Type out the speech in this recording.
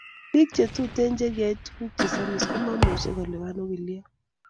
pik che Tuten che yai tukuk che samis ko mamuche ko lipan okilyot